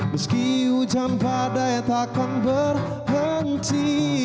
meski hujan badai takkan berhenti